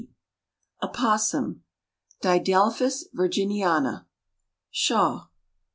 OPOSSUM. (Didelphys virginiana.) SHAW.